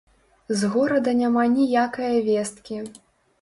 З горада няма ніякае весткі.